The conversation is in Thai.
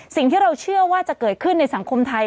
สิ่งที่เราเชื่อว่าจะเกิดขึ้นในสังคมไทย